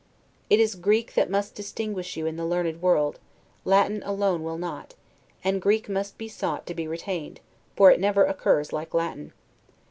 It is Greek that must distinguish you in the learned world, Latin alone will not: and Greek must be sought to be retained, for it never occurs like Latin.